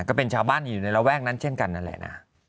ก็เป็นชาวบ้านที่อยู่ในระแวกนั้นเช่นกันนั่นแหละนะ